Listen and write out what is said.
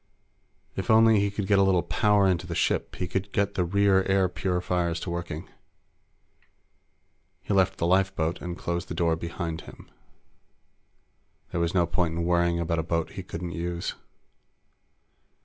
If only he could get a little power into the ship, he could get the rear air purifiers to working. He left the lifeboat and closed the door behind him. There was no point in worrying about a boat he couldn't use.